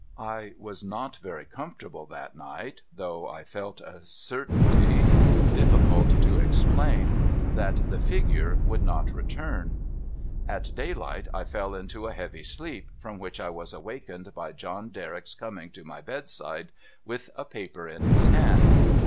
I was not very comfortable that niglit, though I felt a certainty, 402 DOCTOR MARIGOLD difficult to ex])lain, that the fii^ane would not return. At dayli^^ht I fell into a heavy sleep, from whic h I was awakened l)y John Derrick's coming to my bedside with a ])ai)er in his hand.